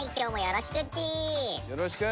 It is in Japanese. よろしく。